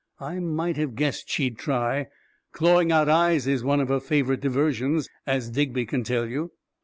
" I might have guessed she'd try! Clawing out eyes is one of her favorite diversions — as Digby can tell you